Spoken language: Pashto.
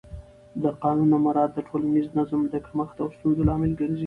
د قانون نه مراعت د ټولنیز نظم د کمښت او ستونزو لامل ګرځي